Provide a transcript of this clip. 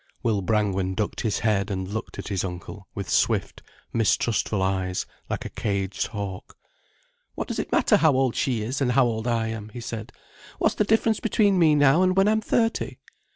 Will Brangwen ducked his head and looked at his uncle with swift, mistrustful eyes, like a caged hawk. "What does it matter how old she is, and how old I am?" he said. "What's the difference between me now and when I'm thirty?"